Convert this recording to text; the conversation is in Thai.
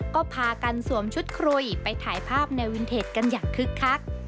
ก็พากันสวมชุดครุยไปถ่ายภาพแนววินเทจกันอย่างคึกคัก